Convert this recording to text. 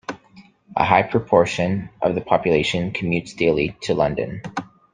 A high proportion of the population commutes daily to London.